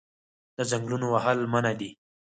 د ځنګلونو وهل منع دي